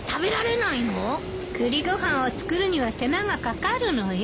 栗ご飯を作るには手間が掛かるのよ。